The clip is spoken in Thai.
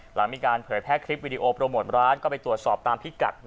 หลังมีการเผยแพร่คลิปวิดีโอโปรโมทร้านก็ไปตรวจสอบตามพิกัด